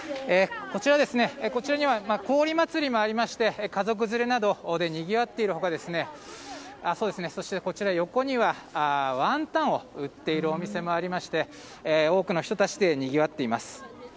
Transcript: こちらには祭りもありまして家族連れなどでにぎわっている他そしてこちら横にはワンタンを売っているお店もありまして多くの人たちでにぎわっています。